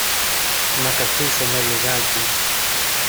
Να καθίσομε λιγάκι.